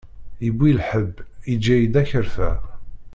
Yewwi lḥebb, yeǧǧa-yi-d akerfa.